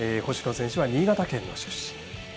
星野選手は新潟県の出身